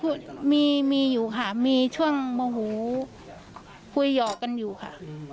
พูดมีมีอยู่ค่ะมีช่วงโมโหคุยหยอกกันอยู่ค่ะ